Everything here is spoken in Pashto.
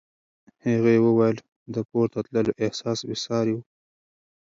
هغې وویل د پورته تللو احساس بې ساری و.